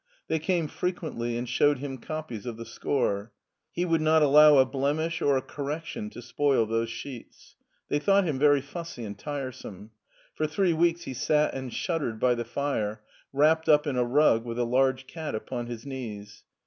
They came frequently and showed him copies of the score. He would not allow a blemish or a correction to spoil those sheets. They thought him very fussy and tiresome. For three weeks he sat and shuddered by the fire, wrapped up in a rug with a large cat upon his knees.